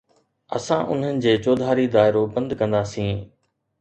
اسان انهن جي چوڌاري دائرو بند ڪنداسين.